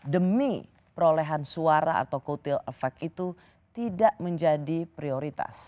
demi perolehan suara atau kutil efek itu tidak menjadi prioritas